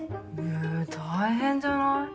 え大変じゃない？